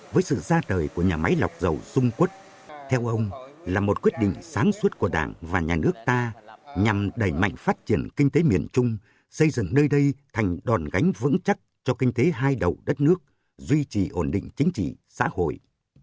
với sự ra đời của nhà máy lọc dầu dung quất theo ông là một quyết định sáng suốt của đảng và nhà nước ta nhằm đẩy mạnh phát triển kinh tế miền trung xây dựng nơi đây thành đòn gánh vững chắc cho kinh tế hai đầu đất nước duy trì ổn định chính trị xã hội